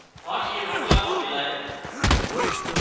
هانَ اِي روٽلا مان ملائي